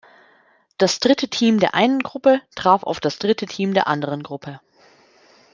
Das dritte Team der einen Gruppe traf auf das dritte Team der anderen Gruppe.